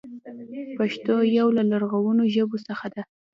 پښتو يو له لرغونو ژبو څخه ده.